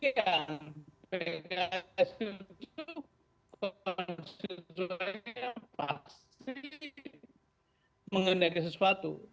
pks itu konstituen yang paksa mengendalikan sesuatu